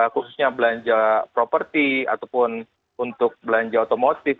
khususnya belanja properti ataupun untuk belanja otomotif